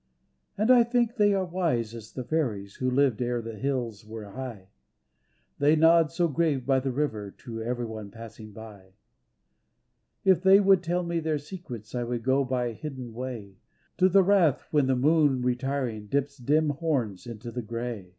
And I think they are wise as the fairies Who lived ere the hills were high. They nod so grave by the river To everyone passing by. If they would tell me their secrets I would go by a hidden way, To the rath when the moon retiring Dips dim horns into the gray.